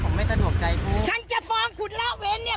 ผมไม่สะดวกใจฉันจะฟ้องคุณละเว้นเนี่ย